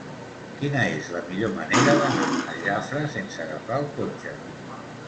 Quina és la millor manera d'anar a Jafre sense agafar el cotxe?